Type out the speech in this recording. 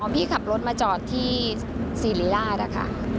พี่ขับรถมาจอดที่ศิริราช